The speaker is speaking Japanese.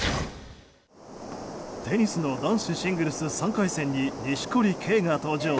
テニスの男子シングルス３回戦に錦織圭が登場。